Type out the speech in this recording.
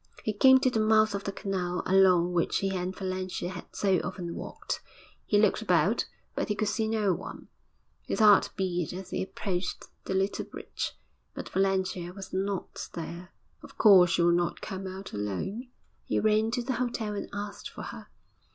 He came to the mouth of the canal along which he and Valentia had so often walked. He looked about, but he could see no one. His heart beat as he approached the little bridge, but Valentia was not there. Of course she would not come out alone. He ran to the hotel and asked for her.